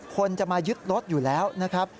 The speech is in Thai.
คนจะมายึดรถอยู่แล้วนะครับ